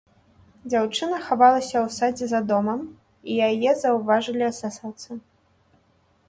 Дзяўчына хавалася ў садзе за домам, і яе заўважылі эсэсаўцы.